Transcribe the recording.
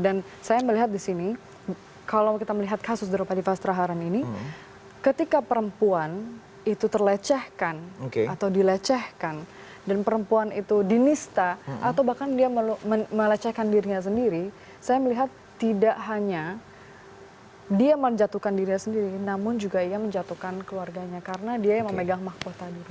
dan saya melihat di sini kalau kita melihat kasus drupadipa setaharan ini ketika perempuan itu terlecehkan atau dilecehkan dan perempuan itu dinista atau bahkan dia melecehkan dirinya sendiri saya melihat tidak hanya dia menjatuhkan dirinya sendiri namun juga ia menjatuhkan keluarganya karena dia yang memegang mahkota dirinya